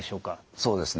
そうですね。